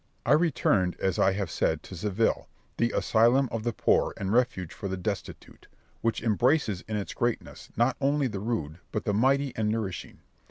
I returned, as I have said, to Seville, the asylum of the poor and refuge for the destitute, which embraces in its greatness not only the rude but the mighty and nourishing.